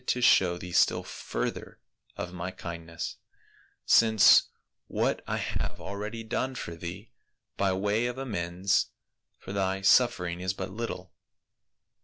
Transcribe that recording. to show thee still further of my kindness, since what I have already done for thee by way of amends for thy suffering is but little.